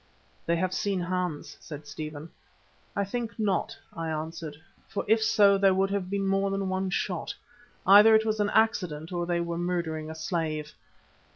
"They have seen Hans," said Stephen. "I think not," I answered, "for if so there would have been more than one shot. Either it was an accident or they were murdering a slave."